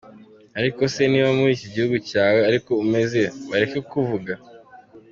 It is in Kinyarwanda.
Ariko se, niba muri gihugu cyawe, ari ko umeze, bareke kukuvuga?.